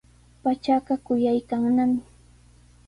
Pachaqa quyaykannami.